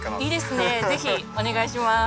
是非お願いします。